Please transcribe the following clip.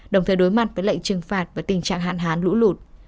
đồng thời đối mặt với lệnh trừng phạt và tình trạng hạn hán lũ lụt